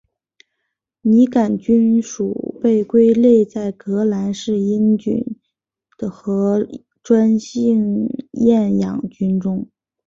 拟杆菌属被归类在革兰氏阴性菌和专性厌氧菌中。